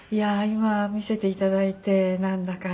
今見せて頂いてなんだか。